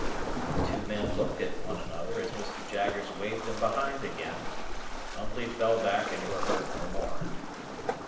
The two men looked at one another as Mr. Jaggers waved them behind again, and humbly fell back and were heard no more.